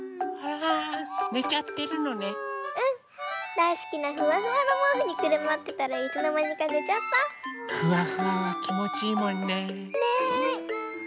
だいすきなフワフワのもうふにくるまってたらいつのまにかねちゃった。フワフワはきもちいいもんね。ねぇ。